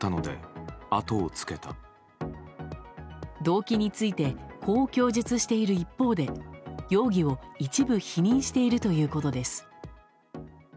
動機についてこう供述している一方で容疑を一部否認しているということです。